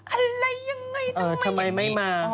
อะไรยังไงต่อทำไมไม่มา